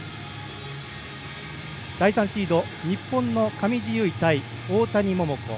第３シード日本の上地結衣、大谷桃子。